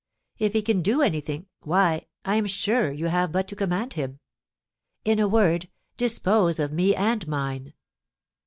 If he can do anything, why, I am sure you have but to command him. In a word, dispose of me and mine.